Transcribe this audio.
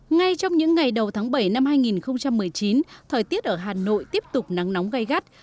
ngay trong những ngày đầu tháng bảy năm hai nghìn một mươi chín thời tiết ở hà nội tiếp tục nắng nóng gai gắt